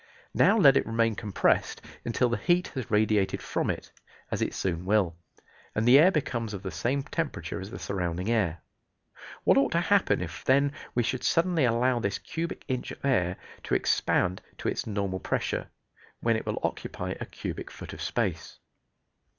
Now let it remain compressed until the heat has radiated from it, as it soon will, and the air becomes of the same temperature as the surrounding air. What ought to happen if then we should suddenly allow this cubic inch of air to expand to its normal pressure, when it will occupy a cubic foot of space?